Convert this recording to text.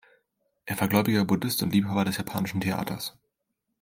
Er war gläubiger Buddhist und Liebhaber des japanischen Theaters.